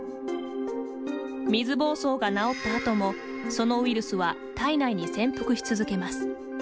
水ぼうそうが治ったあともそのウイルスは体内に潜伏し続けます。